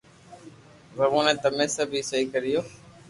سپي بي تمي سب سھي ڪريو